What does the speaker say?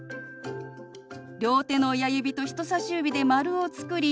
両手の親指と人さし指で丸を作り